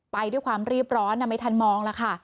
ไปด้วยความรีบร้อนไม่ทันมองแล้วค่ะ